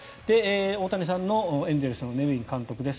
大谷さんのエンゼルスのネビン監督です。